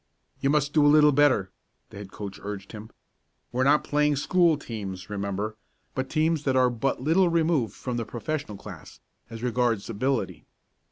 "You must do a little better," the head coach urged him. "We're not playing school teams, remember, but teams that are but little removed from the professional class, as regards ability.